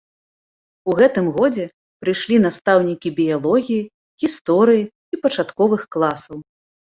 У гэтым годзе прыйшлі настаўнікі біялогіі, гісторыі і пачатковых класаў.